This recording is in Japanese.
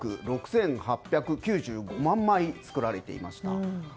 ２７億６８９５万枚造られていました。